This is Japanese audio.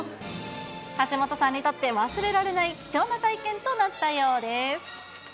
橋本さんにとって、忘れられない貴重な体験となったようです。